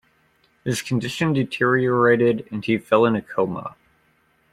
His condition deteriorated and he fell in a coma.